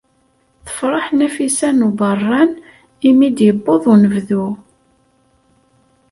Tefṛeḥ Nafisa n Ubeṛṛan i mi d-yewweḍ unebdu.